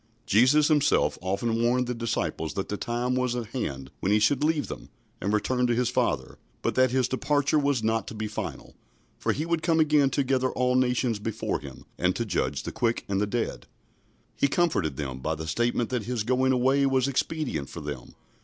" Jesus Himself often warned the disciples that the time was at hand when He should leave them and return to His Father, but that His departure was not to be final, for He would come again to gather all nations before Him, and to judge the quick and the dead. He comforted them by the statement that His going away was expedient for them.